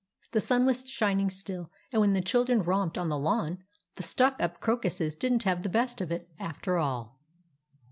The sun was shining still, and when the children romped on the lawn the stuck up crocuses didn't have the best of it, after all.